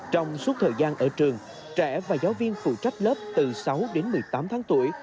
trong suốt thời gian ở trường trẻ và giáo viên phụ trách lớp từ sáu đến một mươi tám tháng tuổi